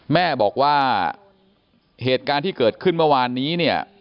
แม่บอกว่าเหตุการณ์ที่เกิดขึ้นเมื่อวานนี้เนี่ย